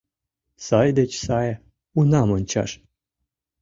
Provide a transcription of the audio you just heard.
Сай деч сае унам ончаш